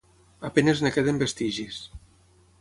A penes en queden vestigis.